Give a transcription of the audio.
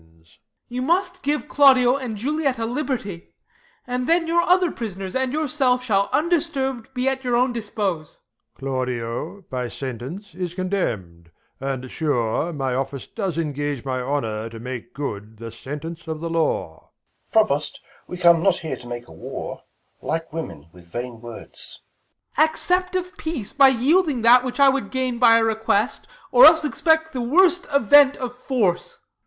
Ben. You must give Claudio and Julietta liberty • THE LAW AGAINST LOVERS. 197 And then your other pris'ners, and j^oiir self, Shall, undisturb'd, be at your own dispose. Prov. Claudio, by sentence, is condemn'd ; and, sure, My office does engage my honour to Make good the sentence of the law. Balt. Provost, we come not here to make a war, Like women, with vain Avords. Ben. Accept of peace by yielding that which I Would gain by a request, or else expect The worst event of force.